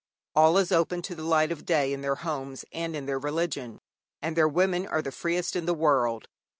All is open to the light of day in their homes and in their religion, and their women are the freest in the world.